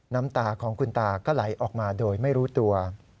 น้ำตาของคุณตาก็ไหลออกมาโดยไม่รู้ตัว